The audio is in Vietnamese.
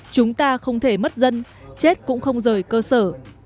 chúng ta không thể mất dân chết cũng không rời cơ sở